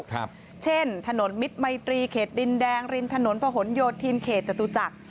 ครับเช่นถนนมิตรมัยตรีเขตดินแดงริมถนนพะหนโยธินเขตจตุจักร